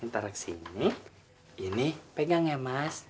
tegang ya mas